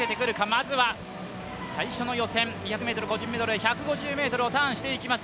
まずは最初の予選、２００ｍ個人メドレー、ターンしていきます。